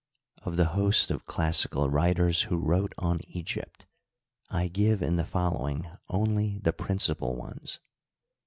— Of the host of classical writers who wrote on Egypt I g^ve in the following only the principal ones.